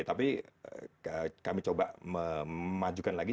tapi kami coba memajukan lagi